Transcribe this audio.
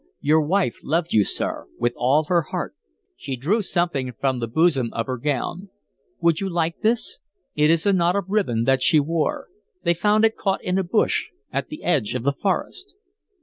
Your wife loved you, sir, with all her heart." She drew something from the bosom of her gown. "Would you like this? It is a knot of ribbon that she wore. They found it caught in a bush at the edge of the forest."